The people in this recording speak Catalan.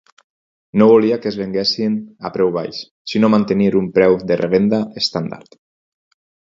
No volia que es venguessin a preu baix, si no mantenir un preu de revenda estàndard.